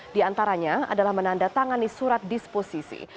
di antaranya adalah menandatangani surat disposisi